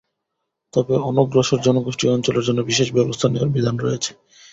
তবে অনগ্রসর জনগোষ্ঠী ও অঞ্চলের জন্য বিশেষ ব্যবস্থা নেওয়ার বিধান রয়েছে।